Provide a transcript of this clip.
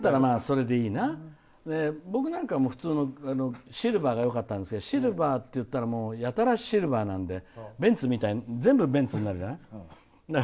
僕なんかは普通のシルバーがよかったんですけどシルバーっていったらやたらシルバーなんで全部ベンツになるじゃない。